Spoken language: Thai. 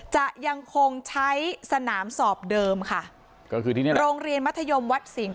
จะยังคงใช้สนามสอบเดิมค่ะก็คือโรงเรียนมัธยมวัดศิลป์